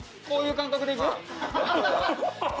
こういう感覚でいく？